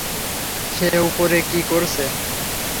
সে উপরে কি করছে?